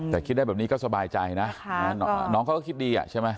แต่คิดได้แบบนี้ก็สบายใจนะน้องเขาก็คิดดีใช่ไหม